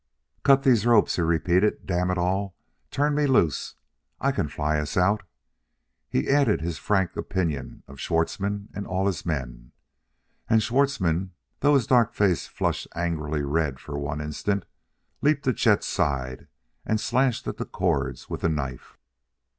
"Cut these ropes!" he repeated. "Damn it all, turn me loose; I can fly us out!" He added his frank opinion of Schwartzmann and all his men. And Schwartzmann, though his dark face flushed angrily red for one instant, leaped to Chet's side and slashed at the cords with a knife.